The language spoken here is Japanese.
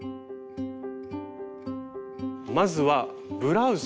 まずはブラウス。